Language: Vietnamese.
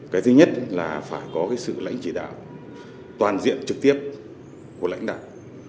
cái thứ nhất là phải có cái sự lãnh chỉ đạo toàn diện trực tiếp của lãnh đạo